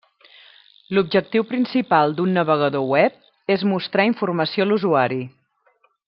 L'objectiu principal d'un navegador web és mostrar informació a l'usuari.